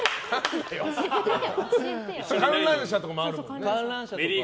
観覧車とかもあるもんね。